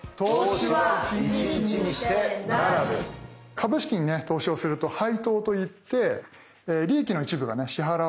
株式にね投資をすると配当といって利益の一部が支払われるんですよね。